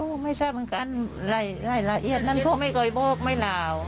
ก็ไม่ทราบเหมือนกันรายละเอียดนั่นเขาไม่เคยบอกไม่ราว